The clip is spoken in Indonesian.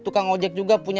tukang ojek juga manusia pok